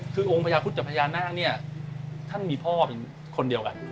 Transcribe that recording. คือองค์ประยะครุฑิ์ประยะนางนี่ท่านมีพ่อเป็นคนเดียวกัน